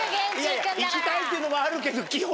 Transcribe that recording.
行きたいっていうのもあるけど。